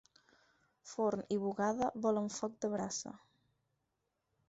Forn i bugada volen foc de brasa.